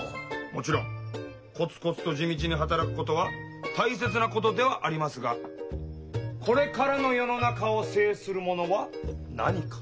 もちろんコツコツと地道に働くことは大切なことではありますがこれからの世の中を制するものは何か？